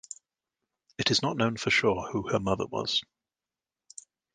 It is not known for sure who her mother was.